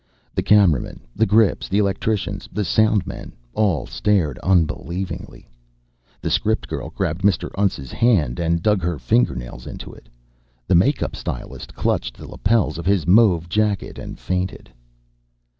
The cameramen, the grips, the electricians, the sound men all stared unbelievingly. The script girl grabbed Mr. Untz's hand and dug her fingernails into it. The makeup stylist clutched the lapels of his mauve jacket and fainted.